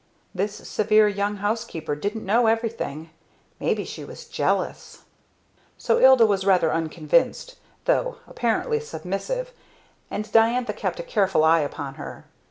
This severe young housekeeper didn't know everything. Maybe she was jealous! So Ilda was rather unconvinced, though apparently submissive, and Diantha kept a careful eye upon her.